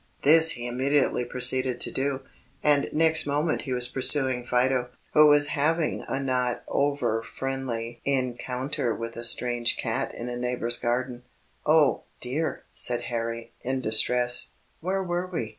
This he immediately proceeded to do, and next moment he was pursuing Fido, who was having a not over friendly encounter with a strange cat in a neighbor's garden. "Oh, dear," said Harry, in distress, "where were we?